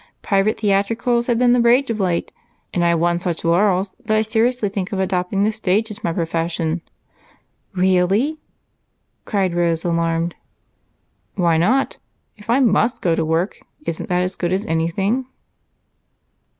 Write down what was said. Private theatricals have been the rage of late, and I have won such laurels that I seriously think of adopting the stage as my profession." "Really!" cried Rose, alarmed. "Why not? If I must go to work, isn't that as good as anything?"